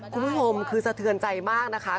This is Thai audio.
คุณผู้ชมคือสะเทือนใจมากนะคะ